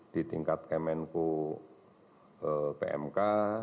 di tingkat kemenku pmk